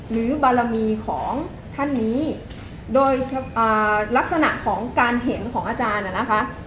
หรือบารมีของท่านนี้โดยลักษณะของการเห็นของอาจารย์น่ะนะคะ